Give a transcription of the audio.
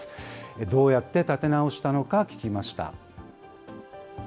どうやって立て直したのか、聞きました。